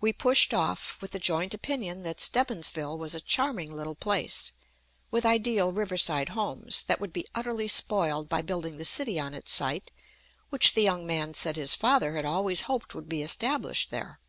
We pushed off, with the joint opinion that Stebbinsville was a charming little place, with ideal riverside homes, that would be utterly spoiled by building the city on its site which the young man said his father had always hoped would be established there.